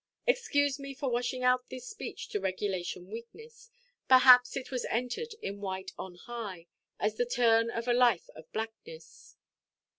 Excuse me for washing out this speech to regulation weakness; perhaps it was entered in white on high, as the turn of a life of blackness.